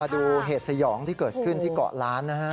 ดูเหตุสยองที่เกิดขึ้นที่เกาะล้านนะฮะ